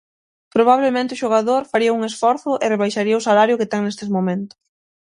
Probablemente o xogador faría un esforzo e rebaixaría o salario que ten nestes momentos.